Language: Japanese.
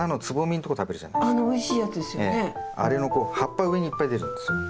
あれのこう葉っぱ上にいっぱい出るんですよ。